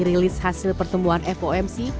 rilis hasil pertumbuhan fomc